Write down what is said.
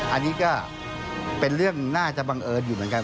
อันนี้ก็เป็นเรื่องน่าจะบังเอิญอยู่เหมือนกัน